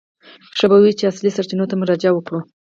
ښه به وي چې اصلي سرچینو ته مراجعه وکړو.